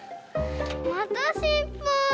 またしっぱい。